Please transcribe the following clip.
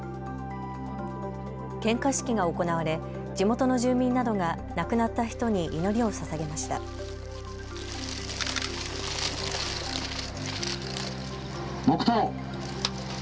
献花式が行われ地元の住民などが亡くなった人に祈りをささげました。